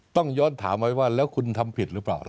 ต้องย้อนถามไว้ว่าแล้วคุณทำผิดหรือเปล่า